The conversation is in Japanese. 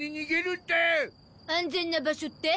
安全な場所って？